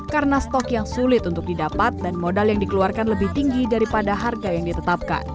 karena stok yang sulit untuk didapat dan modal yang dikeluarkan lebih tinggi daripada harga yang ditetapkan